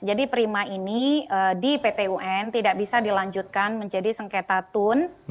jadi prima ini di pt un tidak bisa dilanjutkan menjadi sengketa tun